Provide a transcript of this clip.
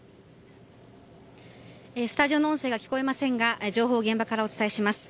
スタジオの音声が聞こえませんが情報を現場からお伝えします。